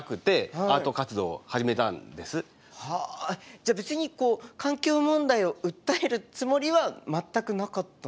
じゃあ別に環境問題を訴えるつもりは全くなかった？